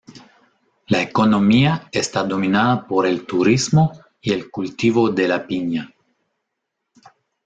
La economía está dominada por el turismo y el cultivo de la piña.